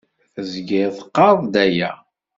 Teẓgiḍ teqqareḍ-d aya.